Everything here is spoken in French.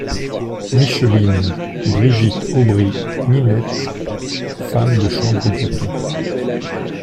MICHELINE — Brigitte Aubry NINETTE, femme de chambre Breton.